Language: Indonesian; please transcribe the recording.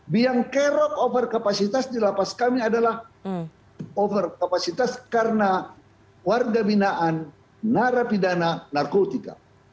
biang kerok over kapasitas di lapas kami adalah over kapasitas karena warga binaan narapidana narkotika